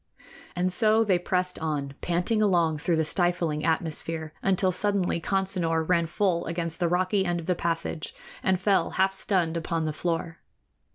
And so they pressed on, panting along through the stifling atmosphere, until suddenly Consinor ran full against the rocky end of the passage and fell half stunned upon the floor.